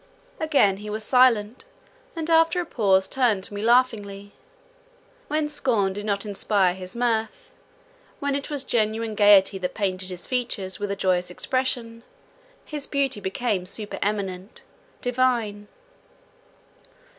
Again he was silent, and after a pause turned to me laughingly. When scorn did not inspire his mirth, when it was genuine gaiety that painted his features with a joyous expression, his beauty became super eminent, divine.